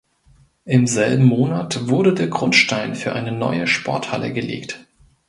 Im selben Monat wurde der Grundstein für eine neue Sporthalle gelegt.